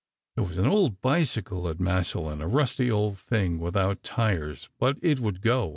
There was an old bicycle at Massillon, a rusty old thing without tires, but it would go.